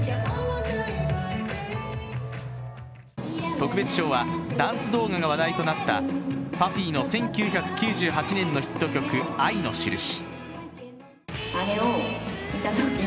特別賞はダンス動画が話題となったＰＵＦＦＹの１９９８年のヒット曲「愛のしるし」。